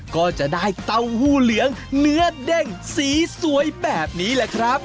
ก็จะได้เต้าหู้เหลืองเนื้อเด้งสีสวยแบบนี้แหละครับ